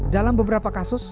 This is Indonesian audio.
dalam beberapa kasus